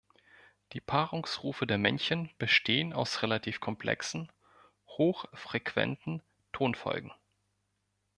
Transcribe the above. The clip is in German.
Die Paarungsrufe der Männchen bestehen aus relativ komplexen, hochfrequenten Tonfolgen.